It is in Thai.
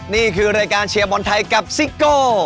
นี่คือรายการเชียร์บอลไทยกับซิโก้